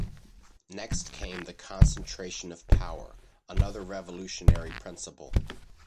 Next came the concentration of power, another revolutionary principle.